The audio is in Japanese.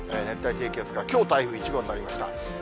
熱帯低気圧からきょう台風１号になりました。